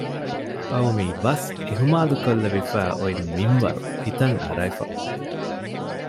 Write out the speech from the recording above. ޤައުމީ ބަސް އިހުމާލުކޮށްލެވިފައި އޮތް މިންވަރު ހިތަށް އަރައިފަ